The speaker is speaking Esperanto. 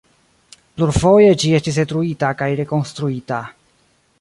Plurfoje ĝi estis detruita kaj rekonstruita.